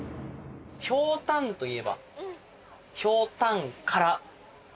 ひょうたんといえばひょうたんから。